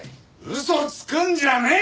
嘘つくんじゃねえよ！